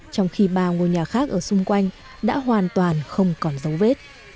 trong khi bà ngồi nhà khác ở xung quanh đã hoàn toàn không còn giấu vết